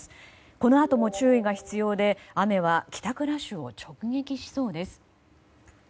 このあとも注意が必要で、雨は帰宅ラッシュを直撃しそうです。